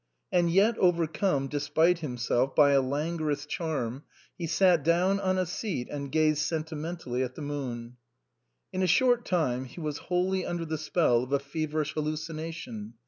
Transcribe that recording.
And yet overcome, despite himself, by a lan guorous charm, he sat down on a seat and gazed sentimen tally at the moon. In a short time he was wholly under the spell of a feverish hallucination.